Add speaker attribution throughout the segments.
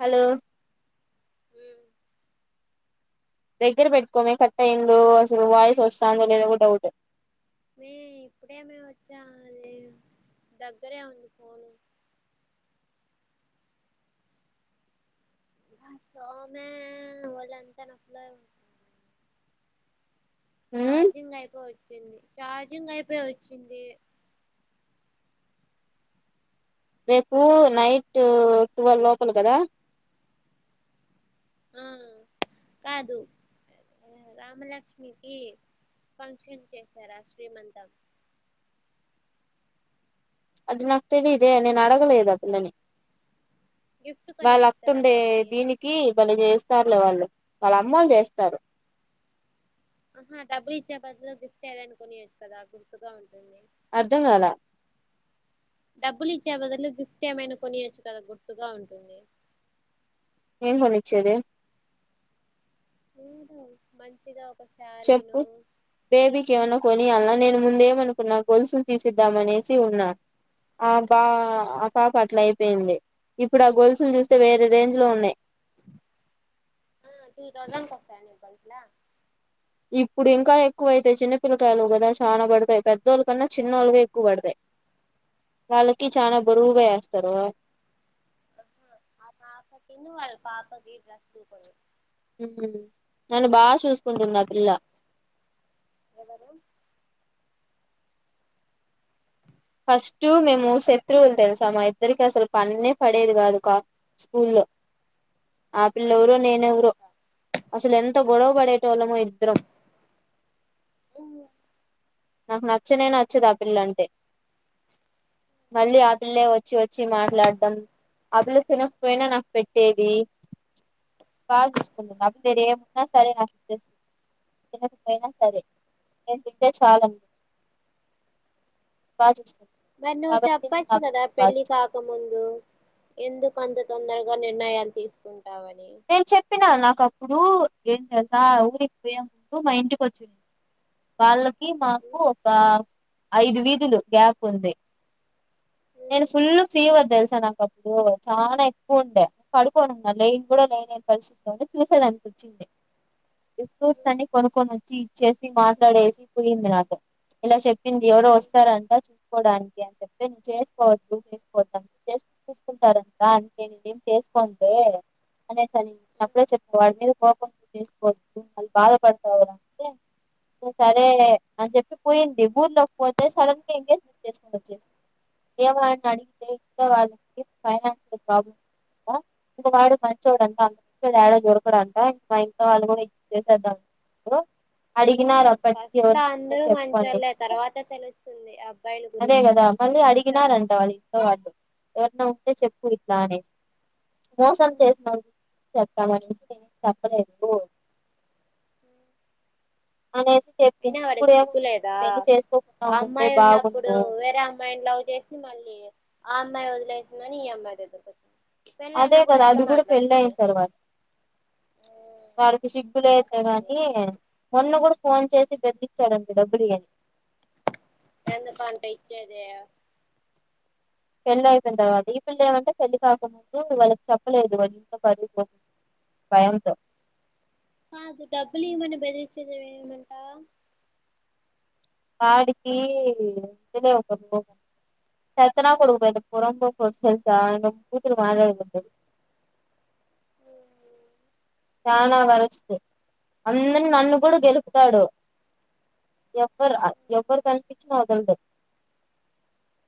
Speaker 1: Hello దగ్గర పెట్టుకోమే cut అయిందు అసలు వాయిస్ వస్తుందో లేదో గూడ డౌటు
Speaker 2: మే ఇప్పుడేమ వచ్చా అది దగ్గరే ఉంది ఫోను బ సామె ఒళ్ళంతా నొప్పులే
Speaker 1: మ్మ్
Speaker 2: చార్జింగ్ ఐపోయి చింది చార్జింగ్ అయిపోయి ఒచ్చింది
Speaker 1: రేపు నైటు టువెల్ లోపల కదా
Speaker 2: ఆ కాదు రామలక్ష్మికి ఫంక్షన్ చేశారా శ్రీమంతం
Speaker 1: అది నాకు తెలిదే నేను అడగలేదా పిల్లని
Speaker 2: గిఫ్ట్
Speaker 1: వాళ్ళ
Speaker 2: కొనియొచ్చు కదా
Speaker 1: అతుండే
Speaker 2: పాపకి
Speaker 1: దీనికి వాళ్ళ జేస్ స్తారులే వాళ్ళు వాళ్ళ అమ్మోళ్లు చేస్తారు
Speaker 2: ఆహా డబ్బులు ఇచ్చే బద్లో గిఫ్ట్ ఏదయిన కొనియచ్చు కదా గుర్తుగా ఉంటుంది
Speaker 1: అర్ధం గాలా
Speaker 2: డబ్బులు ఇచ్చే బదులు గిఫ్ట్ ఏమైనా కొనియొచ్చు కదా గుర్తుగా ఉంటుంది
Speaker 1: ఏం పనిచ్చది
Speaker 2: అద మంచిద
Speaker 1: చెప్పు పేబ కేవనా కో అలా నేను ముందేమనుకున్నా గొలుసులు తీసిద్దాం అనేసి ఉన్నా ఆ బా ఆ పాప అట్లా అయిపోయింది ఇప్పుడు ఆ గొలుసులు చూస్తే వేరే రేంజ్ లో ఉన్నాయి్
Speaker 2: త దౌజండ్ కసని గల్ట్లా
Speaker 1: ఇప్పుడు ఇంకా ఎక్కువైతయి చిన్న పిల్లకాయలు కదా చానా పడతాయి పెద్దోళ్ళ కన్నా చిన్నోళ్ళుగా ఎక్కువ పడతాయి వాళ్ళకి చానా బరువుగా వేస్తారు
Speaker 2: ఆ పాప కన్న వాళ పాపకిస్తు కూడా
Speaker 1: నన్ను బాగా చూసుకుంటున్న పిల్ల
Speaker 2: ఎవరు
Speaker 1: ఫస్ట్ మేము శత్రువులు తెలుసా మా ఇద్దరికి అసలు పన్ననే పడేది కాదు కా స్కూల్లో ఆపిల్
Speaker 2: అట్లా
Speaker 1: ఎవరో
Speaker 2: వాళ్ళే
Speaker 1: నేనె ఎవరో
Speaker 2: బాగుంటారు
Speaker 1: అసలు ఎంత గొడవ పడేటో వాళ్ళమో ఇద్దరం నాకు నచ్చనే నచ్చదు ఆ పిల్ల అంటే మళ్ళీ ఆ పిల్లే వచ్చి వచ్చి మాట్లాడడం ఆ పిల్లు తినకపోయినా నాకు పెట్టేది బాగా చూసుకుంటును అబలు మీర ఏమున్నా సరే నాకు ఇచ్చేస్తుంది తినకపోయినా సరే నేను తింటే చాలన్నా బస్త
Speaker 2: మరి నువ్వు చెప్పచ్చు కదా పెళ్లి
Speaker 1: చూసుకున్నాను
Speaker 2: కాకముందు ఎందుకు అంత తొందరగా నిర్ణయాలు తీసుకుంట
Speaker 1: నేను చెప్పినాను నాకు ఒకప్పుడుం ఊరికి పోయా ముంటూ మా ఇంటికి వచ్చి వాళ్ళకి మాకు ఒక ఐదు వీధులు గ్యాప్ ఉంది నేను
Speaker 2: ఉమ్,
Speaker 1: ఫుల్ ఫీవర్ తె నాకప్పుడు చాలా ఎక్కువ ఉండే కడుకోని ఉన్నా లే కూడా లేని పరిస్థితి చూసేదిాంతక వచ్చింది ఫ్రూట్స్ అని కొనుక్కొని వచ్చి ఇచ్చేసి మాట్లాడేసి పోయింది నాకు ఇలా చెప్పింది ఎవరో వస్తారంట చూసుకోవడానికి అని చెప్తే నువ్వు చేసుకోవద్దు చేసుకోవద్ జస్ట్ చూసుకుంటారంట అందుే న ఏం చేసుకోంటే అనే సరిప్పుడే చెప్పి వాడి మీద కోపం చేసుకోవద్దు వాళ్ళు బాధపడతాారు అంటే సరే అని చెప్పి పోయింది ఊర్లోకి పోతే సడన్ గా ఎంగేజ్మెంట్ చేసుకు వచ్చ ఏమని అడిగితే ఇంకా వాళ్ళకి ఫైనాన్షియల్ ప్రాబ్లమ్ ఇంకా వాడు మంచి చూడంట అ డాడ దొడకడంట ఇం మా ఇం వాళ్ళు కూడా ఇచ్చ చేసేద్ద అడి
Speaker 2: ఫస్ట్ లో అందరూ మంచి వాళ్ళే తర్వాత తెలుస్తుంది అబ్బాయిల
Speaker 1: అదే
Speaker 2: గురించి
Speaker 1: కదా మళ్ళీ
Speaker 2: నటిస్తారు
Speaker 1: అడిగినారంట వాళ్ళ ఇంట్లో వాళ్ళు ఎవరన్నా ఉంటే చెప్పు ఇట్లా అనేసి మోసం చే చెప్పాలి అనేసి నేనేం చెప్పలేదు రోయి
Speaker 2: అయినా వాడికి సిగ్గు
Speaker 1: ఏముంది
Speaker 2: లేదా
Speaker 1: పెళ్లి చేసుకోకుండా
Speaker 2: ఆ
Speaker 1: ఉంటే
Speaker 2: అమ్మాయి ఉన్నప్పుడూ
Speaker 1: బాగుండు
Speaker 2: వేరే అమ్మాయిని లవ్ చేసి మళ్ళీ ఆ అమ్మాయి వదిలేసింది అనీ ఈ అమ్మాయితో తిరు
Speaker 1: అదే కదా అది కూడా పెళ్ళి అయిన తర్వాత వాడికి సిగ్గు
Speaker 2: చెప్పుతో
Speaker 1: లేదులే
Speaker 2: కొట్టాలి
Speaker 1: గానీ
Speaker 2: మనం
Speaker 1: మొన్న గూడ ఫోన్ చేసి బెదిరిచ్చాడంట డబ్బులు ఈ అని
Speaker 2: ఎందుకంట ఇచ్చేదీ
Speaker 1: పెళ్లి అయిపోయిన తర్వాత ఈ పిల్ల ఏమంటే పెళ్లి కాకముందు వాళ్ళకి చెప్పలేదు వాళ్ళ ఇంట్లో [unintelligible] భయంతో
Speaker 2: కాదు డబ్బులు ఇయ్యమని బెదిరిచ్చేది ఏమిటంట
Speaker 1: వాడికీ ఒకే ఒక్క కొడుకు చేత్తనా కొడుకు పోరంబోకు కొడుకు తెల్సా బూతులు దీంట్లో మాట్లాడకూడదు
Speaker 2: ఊహు
Speaker 1: చానా వరెస్ట్ అందర్నీ నన్ను కూడా గెలుకుతాడు ఎవ్వరు ఎవ్వరు కనిపించినా వదలడు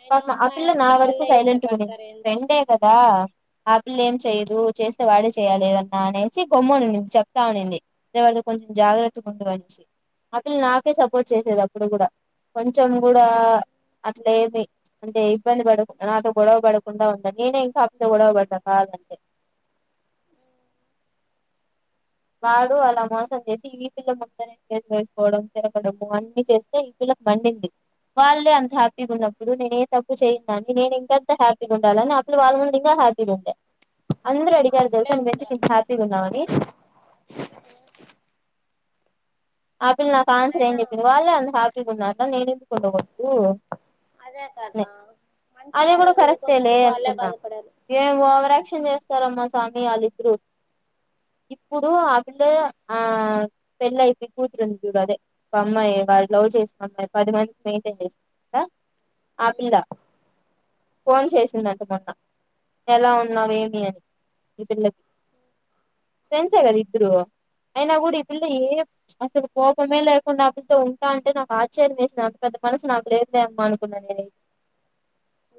Speaker 2: అయినా
Speaker 1: పాపం ఆ
Speaker 2: అమ్మాయి
Speaker 1: పిల్ల నా
Speaker 2: అట్లా
Speaker 1: వరకు
Speaker 2: వల్లే
Speaker 1: సైలెంట్ గున్నింది
Speaker 2: ఇష్టపడతారు ఏందో
Speaker 1: ఫ్రెండే కదా ఆపిల్ల ఏం చేయ్యదూ చేస్తే వాడే చేయాలిఏదన్నా అనే చి గమ్మున ఉండింది చెప్తా అనింది ఏ వాడితో కొంచెం జాగ్రత్తగా ఉండు అనేసి ఆపిల్ల నాకే సపోర్ట్ చేసేది అప్పుడు కూడా కొంచెం కూడా ఆ అట్లేమి అంటే ఇబ్బంది పడకు నాతో గొడవ పడకుండా ఉండేది నేనే ఇంకా ఆపిల్ల తో గొడవ పడతాను కావాలంటే వాడు అలా మోసం చేసి ఈ పిల్ల ముందరే చేతులు వేసుకోవడం తిరగడము అన్ని చేస్తే ఈ పిల్లకు మండింది వాళ్ళే అంత హ్యాపీగ ఉన్నప్పుడు నేను ఏ తప్పు చేయందాన్ని నేను ఇంకంత హ్యాపీగా ఉండాలని ఆ పిల్ల వాళ్ళ ముందు ఇంకా హ్యాపీగా ఉండే అందరూ అడిగారు తెలుస
Speaker 2: అట్లే ఉండాలి
Speaker 1: నువ్వెందుకింత హ్యాపీగా ఉన్నావని ఆ పిళ్ళ నాక్ ఆన్సర్ ఏం
Speaker 2: అయినా
Speaker 1: చెప్పింది వాళ్ళే అంత హ్యాప్ గా ఉన్నారు నేనెందుకు ఉండకూడదూ
Speaker 2: అదే కదా మంచి
Speaker 1: అది కూడ
Speaker 2: వాళ్ళని
Speaker 1: కరెక్టే లే
Speaker 2: వదులుకున్నందుకు వాళ్ళే
Speaker 1: అనుకున్నా
Speaker 2: బాధపడాలి
Speaker 1: ఏం ఓవరాక్షన్ చేస్త చిత్తారమ్మ స్వామి వాళ్ళిద్దరూ ఇప్పుడూ ఆ పిల్లె ఆ పెళ్ళి అయిపోయింది కూతురుంది చూడు అదే అమ్మాయి వాడు లవ్ చేసిన అమ్మాయి పది మందినీ మెయింటైన్ చేస్తుందంటా ఆ పిల్ల ఫోన్ చేసిందంట మొన్న ఎలా ఉన్నావ ఏమి అని ఈ పిల్లకి ఫ్రెండ్సే కదా ఇద్దరూ అయినా కూడా ఈ పిల్ల ఏం అసలు కోపమే లేకుండా ఆపిల్లతో ఉంటా అంటే నాకు ఆశ్చర్యం వేసింది అంత పెద్ద మనసు నాకు లేదులే అమ్మ అనుకున్నాను నేనైతే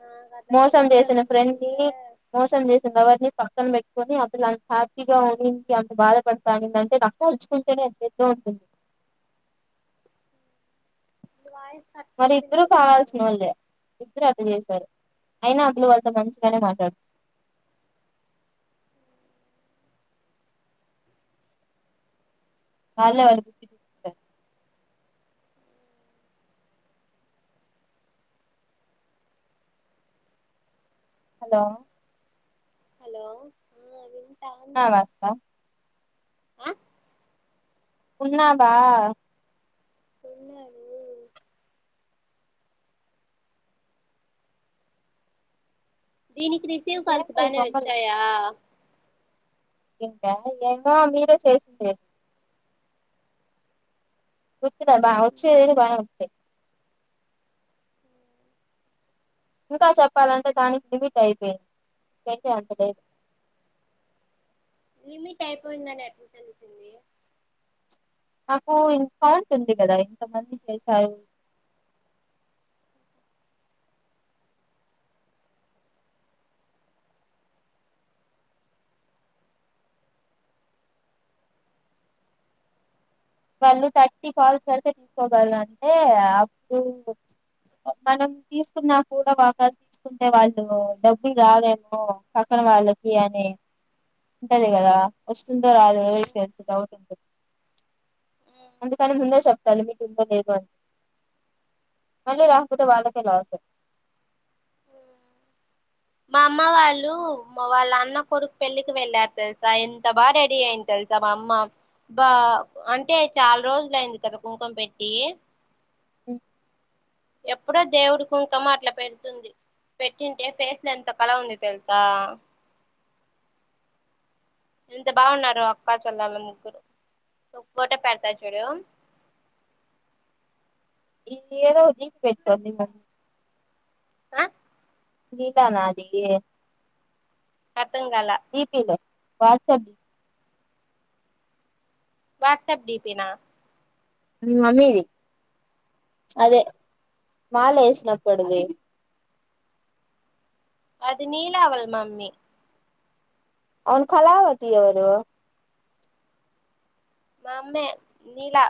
Speaker 2: నాకు అట్లా
Speaker 1: మోసం
Speaker 2: చిల్లర
Speaker 1: చేసిన
Speaker 2: మనుషుల్ని
Speaker 1: ఫ్రెండ్ ని
Speaker 2: చూస్తే
Speaker 1: మోసం చేసింది కాబట్ నీ పక్కన పెట్టుకొని అసలు అంత హ్యాపీగా ఉందిండి అంత బాధపడతా ఉండింది అంటే నాకు తలచుకుంటేనే ఏ
Speaker 2: నీ వాయిస్ కట్
Speaker 1: మరి
Speaker 2: కట్
Speaker 1: ఇద్దరూ
Speaker 2: వినిపిస్తాంది
Speaker 1: కావాల్సిన
Speaker 2: మౌనిక
Speaker 1: వాళ్ళే ఇద్దరు మోసం చేశారు అయినా ఆ పిల్ల వాళ్ళతో మంచిగానే మాట్లాడుతుంది వాళ్ళే వనికి హలో
Speaker 2: హలో ఆ వింటాన్న
Speaker 1: ఆ వస్తాం
Speaker 2: ఆ
Speaker 1: ఉన్నావ
Speaker 2: ఉన్నాను దీనికి రిసీవ్ కలిసి
Speaker 1: ఏమి ఈ
Speaker 2: బానే
Speaker 1: బొమ్మలు
Speaker 2: వచ్చాయ
Speaker 1: ఇంకా ఏమో మీరే చేసింది గుర్తు లేదు వచ్చేదెదో బాగనే ఉంది ఇంకా చప్పాలంటే టానిక్ లిమిట్ అయిపేన్ద్ [unintelligible]
Speaker 2: లిమిట్ అయిపోయిందని ఎట్ల తెలుస్తుంది.
Speaker 1: నాకు ఇన్ఫాంట్ ఉంది కదా ఎంత మంది చేసారు వాళ్ళు థట్టి కాల్స్ కడితే తీసుకోగల అంటే అప్పుడు బొచ్ మనం తిసుకున్నా కూడా వాపస్ తీసుకుంటే వాళ్ళు డబ్బులు రావేమో పక్కన వాళ్ళకి అని ఉంటది గదా వొస్ సుందో రాదో
Speaker 2: మ్మ్
Speaker 1: [unintelligible] డౌట్ [unintelligible]
Speaker 2: మ్మ్
Speaker 1: అందుకని ముందే చప్తాను మీకు ఉందో లేదో అని మళ్ళీ రాక్పోతే వాళ్ళకే లాస్
Speaker 2: మా అమ్మ వాళ్ళు మా వాళ్ళ అన్న కొడుక్ పెళ్ళికి వెళ్ళార్ తెల్సా ఎంత బా రెడీ అయింది తెల్సా మా అమ్మ బా అంటే చాల్ రోజులు అయింది కదా కుంకుం పెట్టి
Speaker 1: ఓ
Speaker 2: ఎప్పుడో దేవుడి కుంకము అట్ల పెడ్తుంది పెట్టింటే ఫేస్ లో ఎంత కళ ఉంది తెల్సా ఎంత బావున్నారో అక్కా చెల్లెలు ముగ్గురు ఒక్ ఫోటో పెడ్తా చూడు
Speaker 1: ఈ ఏదో ఒటి పెట్టంది మొంగ్
Speaker 2: ఆ
Speaker 1: నీకానా [unintelligible]
Speaker 2: అర్థం కాలా
Speaker 1: వాట్సాప్
Speaker 2: వాట్సాప్ డీపీనా
Speaker 1: మీ మమ్మీది అదే మాల యేసినప్పుడది
Speaker 2: అది నీలా వాళ్ళ మమ్మీ
Speaker 1: అవును కళావతి ఎవరు
Speaker 2: మామ్మే నీలా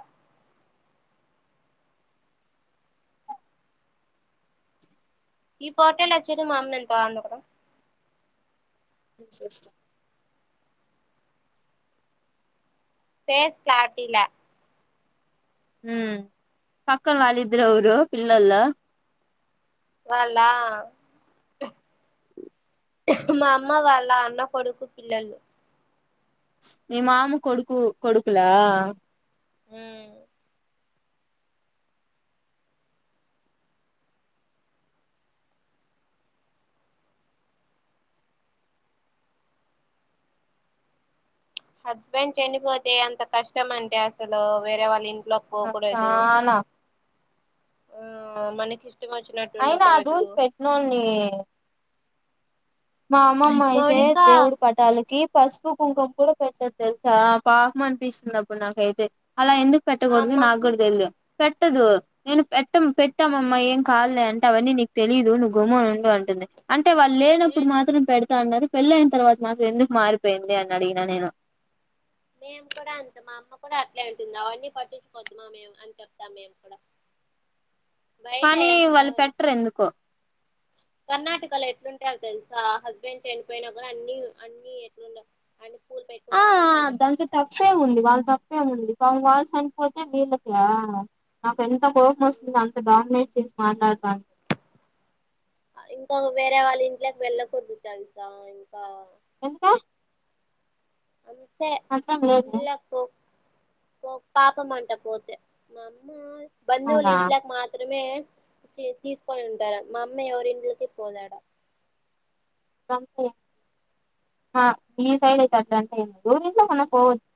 Speaker 2: ఈ పోటలో చూడు మా అమ్మ ఎంత బాగుందో కదా
Speaker 1: చేస్త
Speaker 2: ఫేస్ క్లారిటిలా
Speaker 1: హ్మ్ పక్కన వాళ్ళిద్దరు ఎవ్వరూ పిల్లోలు
Speaker 2: వాళ్ళా మా అమ్మ వాళ్ళ అన్న కొడుకు పిల్లలు
Speaker 1: మీ మామ కొడుకు కొడుకులా
Speaker 2: హ్మ్ హస్బెండ్ చనిపోతే అంత కష్టం అంటే అసలు వేరే వాళ్ళు ఇ
Speaker 1: ఆ చానా
Speaker 2: ఆ మనకి ఇష్ట
Speaker 1: అయినా ఆ రూల్స్ పెట్నోడిని మా అమ్మమ్మ అయితే
Speaker 2: మౌనిక
Speaker 1: దేవుడి పట్టాలకి పసుపు కుంకుం కూడా పెట్టదు తెలుసా పాపం అనిపిస్తుంది అప్పుడు నాకైతే అలా ఎందుకు
Speaker 2: మా
Speaker 1: పెట్టకూడదు
Speaker 2: అమ్మ
Speaker 1: నాకు కూడా తెలదు పెట్టదు నేను పెట్ట పెట్టామమ్మా ఏం కాదులే అంటే అవన్నీ నీకు తెలీదు నువ్వు గమునుండు అంటుంది అంటే వాళ్ళు లే ఇప్పుడు
Speaker 2: నేను
Speaker 1: మాత్రం పెడ అన్నారు పెళ్ళైన తర్వాత మాత్రం ఎందుకు మారిపోయింది అన్నాడు ఈన నేను
Speaker 2: మేము కూడా అంత మా అమ్మ కూడా అట్లే అంటుంది అవన్నీ పట్టించుకోద్దుమా మేము అని చెప్తాం మేము కూడా బయటా
Speaker 1: కానీ వాళ్ళు పెట్టరు ఎందుకో
Speaker 2: కర్ణాటకలో ఎట్లుంట ట్టారు తెలుసా హస్బెండ్ చనిపోయినా కూడా అన్ని అన్ని ఎట్ండ అన్నీ పూలు
Speaker 1: ఆ
Speaker 2: పెట్టుకుంటారు కుంకాలు పెటు
Speaker 1: దాంట్లో తప్పేం ఉంది వాళ్ళ తప్పేం ఉంది కాదు వాళ్ళ చనిపోతే వీళ్ళకీ ఆ నాకు ఎంత కోపం వస్తది అంటే డామినేట్ చేసి మాట్లాడతాను
Speaker 2: ఇంకా వేరే వాళ్ళ ఇంట్లోకి వెళ్ళకూడదు తెలుసా ఇంకా
Speaker 1: ఎంత
Speaker 2: అంతే
Speaker 1: లేదే
Speaker 2: ఇలాపో పో పాపమంట పోతే అమ్మా బందవళ్ళ
Speaker 1: అవునా
Speaker 2: ఇంట్లక్ మాత్రమే తీసుకొని ఉంటార మా అమ్మ ఎవరింటికి పోతాడా
Speaker 1: అట్లంటే ఈ సైడ్ అయితే అట్లాంటే ఏ దూ ఇంలో మన పోవచ్చు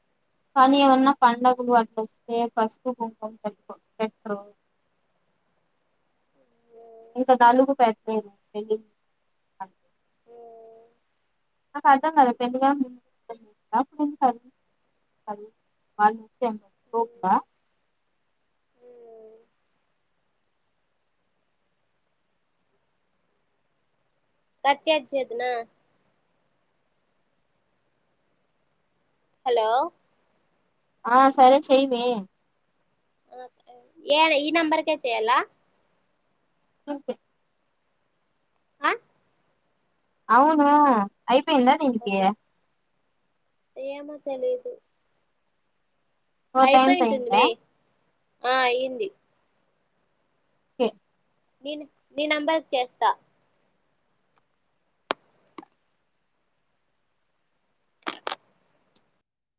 Speaker 1: కానీ ఏమన్నా పండగలు అట్లా వస్తే ఫస్టు పెట్రో అ
Speaker 2: ఓ
Speaker 1: నాకు అర్థం కదా పెగాప్పు వాళ్ళచ్చకుడా
Speaker 2: అ కట్టజ అదునా హలో
Speaker 1: ఆ సరే చెవే
Speaker 2: ఏ ఈ నంబర్కే చేయాల
Speaker 1: ఓకే
Speaker 2: ఆ
Speaker 1: అవును అయి ఎందా దీనికి
Speaker 2: ఏమొ తెలియదు
Speaker 1: ఫోర్ టైమ్స్ అఇందా
Speaker 2: మే ఆ అఇంది
Speaker 1: కే
Speaker 2: నీను నీ నెంబర్కి చేస్తా